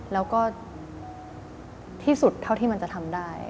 แล้วก็ที่สุดเท่าที่มันจะทำได้